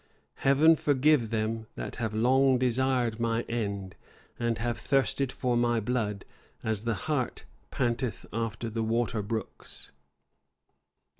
Heaven forgive them that have long desired my end, and have thirsted for my blood as the hart panteth after the water brooks!"